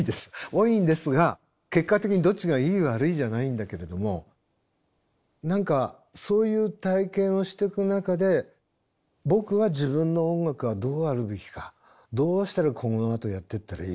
多いんですが結果的にどっちがいい悪いじゃないんだけれども何かそういう体験をしてく中で僕は自分の音楽がどうあるべきかどうしたらこのあとやってったらいいのか。